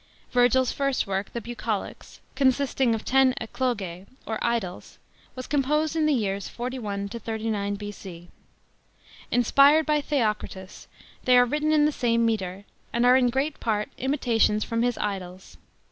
Virgil's first work, the Bucolics, consisting of ten "eclogse," or idylls, was composed in the years 41 39 B.C. Inspired by Theocritus, they are written in the same metre, and are in great part imitations from his idylls.